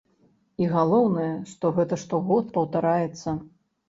І галоўнае, што гэта штогод паўтараецца!